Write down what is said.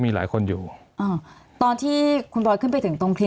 มีความรู้สึกว่ามีความรู้สึกว่ามีความรู้สึกว่า